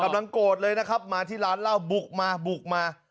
กำลังโกรธเลยมาที่ร้านเล่าบุกมา